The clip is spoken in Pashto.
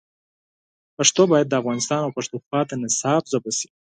پښتو باید د افغانستان او پښتونخوا د نصاب ژبه شي.